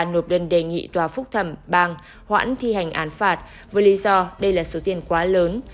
nộp đơn đề nghị tòa phúc thẩm bang hoãn thi hành án phạt với lý do đây là số tiền quá lớn